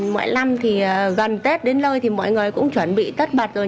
mỗi năm thì gần tết đến lâu thì mọi người cũng chuẩn bị tất bật rồi